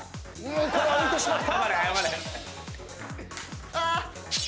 これは浮いてしまった。